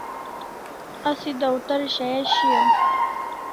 Asi dawtar shaya shiau